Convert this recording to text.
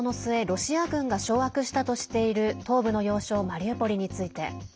ロシア軍が掌握したとしている東部の要衝マリウポリについて。